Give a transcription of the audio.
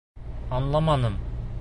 Аңламаным.